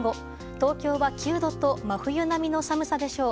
東京は９度と真冬並みの寒さでしょう。